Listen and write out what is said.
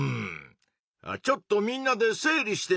ちょっとみんなで整理してみようか？